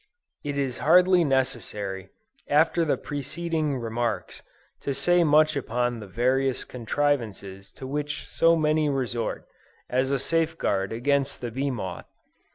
It is hardly necessary, after the preceding remarks, to say much upon the various contrivances to which so many resort, as a safeguard against the bee moth.